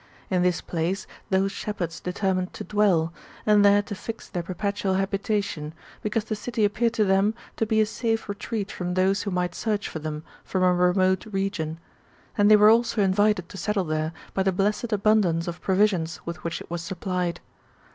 In this place those shepherds determined to dwell, and there to fix their perpetual habitation, because the city appeared to them to be a safe retreat from those who might search for them, from a remote region; and they were also invited to settle there, by the blessed abundance of provisions with which it was supplied.